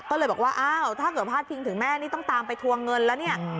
ก็เลยบอกว่าอ้าวถ้าเกิดพาดพิงถึงแม่นี่ต้องตามไปทวงเงินแล้วเนี่ย